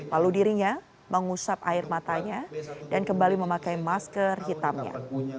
lalu dirinya mengusap air matanya dan kembali memakai masker hitamnya